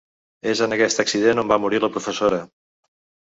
És en aquest accident on va morir la professora.